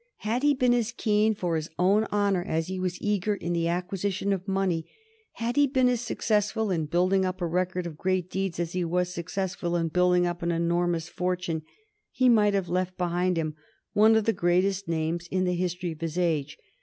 Had he been as keen for his own honor as he was eager in the acquisition of money, had he been as successful in building up a record of great deeds as he was successful in building up an enormous fortune, he might have left behind him one of the greatest names in the history of his age.